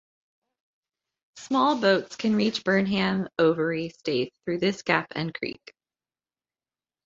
Small boats can reach Burnham Overy Staithe through this gap and creek.